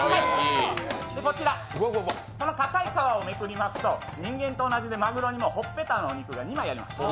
こちら、この硬い皮をめくりますと人間と同じでマグロもほっぺたのお肉が２枚あります。